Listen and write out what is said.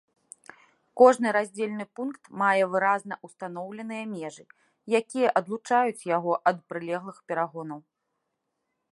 Кожны раздзельны пункт мае выразна устаноўленыя межы, якія адлучаюць яго ад прылеглых перагонаў.